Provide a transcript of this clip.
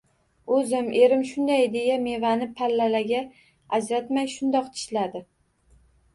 O`zim, erim shunday deya mevani pallalarga ajratmay shundoq tishladi